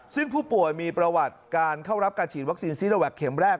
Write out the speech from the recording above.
ซึ่งผู้ป่วยมีประวัติการเข้ารับการฉีดวัคซีนซีโนแวคเข็มแรก